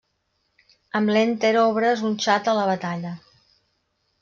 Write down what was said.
Amb l'enter obres un xat a la batalla.